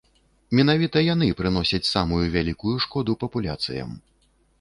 Менавіта яны прыносяць самую вялікую шкоду папуляцыям.